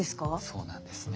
そうなんですね。